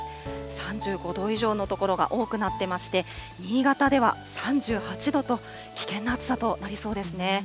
３５度以上の所が多くなってまして、新潟では３８度と、危険な暑さとなりそうですね。